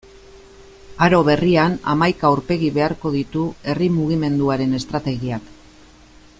Aro berrian, hamaika aurpegi beharko ditu herri mugimenduaren estrategiak.